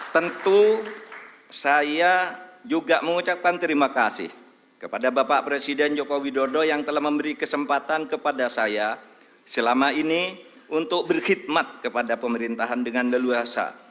tentu saya juga mengucapkan terima kasih kepada bapak presiden joko widodo yang telah memberi kesempatan kepada saya selama ini untuk berkhidmat kepada pemerintahan dengan leluasa